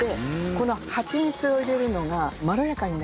このハチミツを入れるのがまろやかになるんですね。